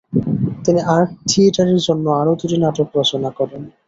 তিনি আর্ট থিয়েটারের জন্য আরও দুটি নাটক রচনা করেন।